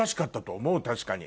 確かに。